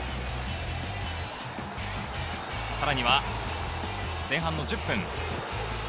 さらには前半の１０分。